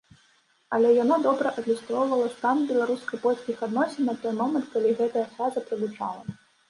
Але яно добра адлюстроўвала стан беларуска-польскіх адносін на той момант, калі гэтая фраза прагучала.